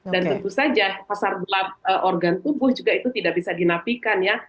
dan tentu saja pasar belak organ tubuh juga itu tidak bisa dinapikan ya